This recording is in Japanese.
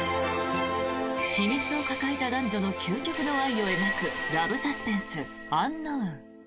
秘密を抱えた男女の究極の愛を描くラブサスペンス「ｕｎｋｎｏｗｎ」。